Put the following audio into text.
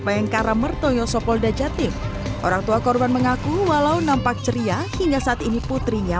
bayangkara mertoyo sopolda jatim orang tua korban mengaku walau nampak ceria hingga saat ini putrinya